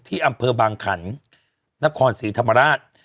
ที่อำเภอบางขันนครศรีธรรมราช